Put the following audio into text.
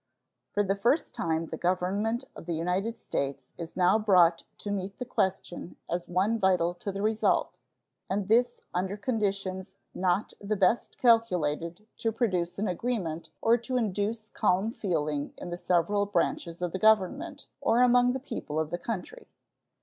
For the first time the Government of the United States is now brought to meet the question as one vital to the result, and this under conditions not the best calculated to produce an agreement or to induce calm feeling in the several branches of the Government or among the people of the country.